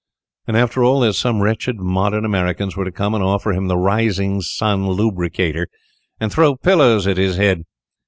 And after all this some wretched modern Americans were to come and offer him the Rising Sun Lubricator, and throw pillows at his head!